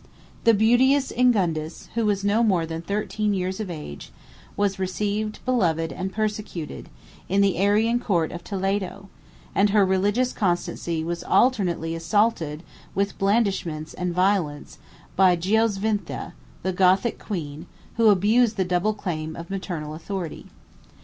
The beauteous Ingundis, who was no more than thirteen years of age, was received, beloved, and persecuted, in the Arian court of Toledo; and her religious constancy was alternately assaulted with blandishments and violence by Goisvintha, the Gothic queen, who abused the double claim of maternal authority.